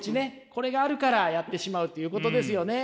これがあるからやってしまうっていうことですよね。